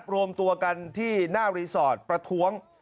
รวมตัวกันที่หน้ารีสอร์ทประท้วง